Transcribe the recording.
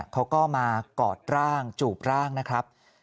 เขาก็มากอดร่างจูบร่างนะครับ